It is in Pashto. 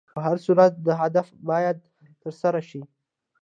په هر صورت دا هدف باید تر سره شي.